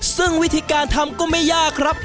ซึ่งวิธีการทำก็ไม่ยากครับ